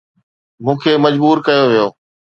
مون کي مجبور ڪيو ويو